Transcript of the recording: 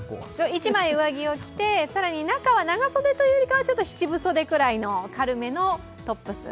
１枚、上着を着て中は長袖というよりかは七分袖くらいの軽めのトップス。